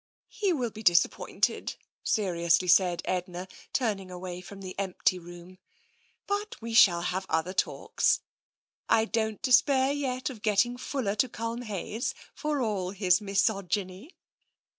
" He will be disappointed,'' seriously said Edna, turning away from the empty room. " But we shall have other talks. I don't despair yet of getting Fuller to Culmhayes, for all his misogyny."